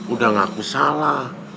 udah ngaku salah